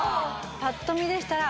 ぱっと見でしたら。